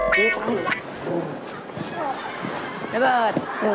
น้ำเบิร์ด